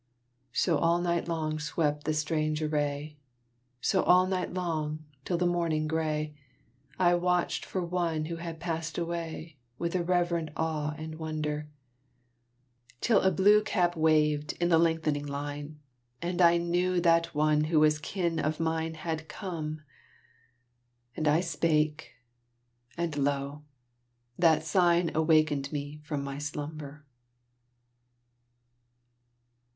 So all night long swept the strange array; So all night long, till the morning gray, I watch'd for one who had passed away, With a reverent awe and wonder, Till a blue cap waved in the lengthening line, And I knew that one who was kin of mine Had come; and I spake and lo! that sign Awakened me from my slumber. BRET HARTE.